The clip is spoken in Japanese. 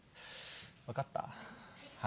分かった？